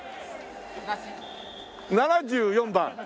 ７４番。